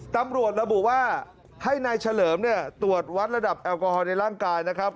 ตำรวจระบุว่าให้นายเฉลิมเนี่ยตรวจวัดระดับแอลกอฮอลในร่างกายนะครับ